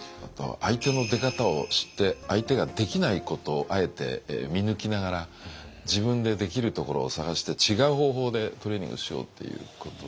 相手の出方を知って相手ができないことをあえて見抜きながら自分でできるところを探して違う方法でトレーニングしようっていうこと。